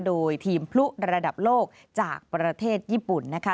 โดยทีมพลุระดับโลกจากประเทศญี่ปุ่นนะคะ